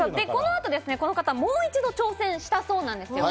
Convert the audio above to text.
この後この方、もう一度挑戦したそうなんですよ。